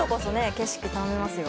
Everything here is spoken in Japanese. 景色頼みますよ。